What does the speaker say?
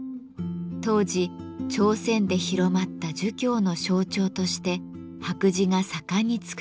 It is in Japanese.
当時朝鮮で広まった儒教の象徴として白磁が盛んに作られました。